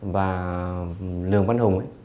và lường văn hùng